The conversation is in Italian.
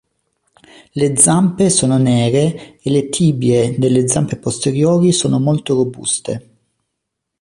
Le zampe sono nere e le tibie delle zampe posteriori sono molto robuste.